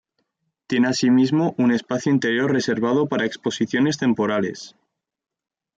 Tiene así mismo un espacio interior reservado para exposiciones temporales.